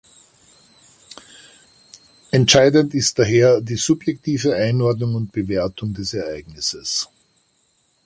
Entscheidend ist daher die subjektive Einordnung und Bewertung des Ereignisses.